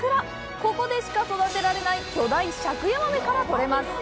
ここでしか育てられない巨大尺ヤマメからとれます。